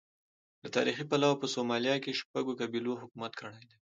له تاریخي پلوه په سومالیا کې شپږو قبیلو حکومت کړی دی.